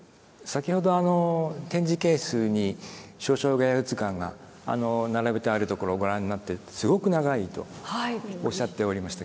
先ほど展示ケースに「瀟湘臥遊図巻」が並べてあるところをご覧になってすごく長いとおっしゃっておりましたけれども。